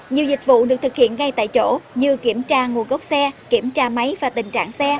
nhiều dịch vụ được thực hiện ngay tại chỗ như kiểm tra nguồn gốc xe kiểm tra máy và tình trạng xe